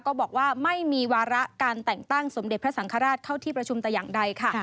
ก็บอกว่าไม่มีวาระการแต่งตั้งสมเด็จพระสังฆราชเข้าที่ประชุมแต่อย่างใดค่ะ